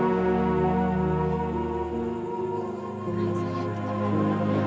bukan masalah nyasar yang saya khawatirkan tapi